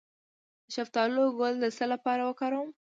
د شفتالو ګل د څه لپاره وکاروم؟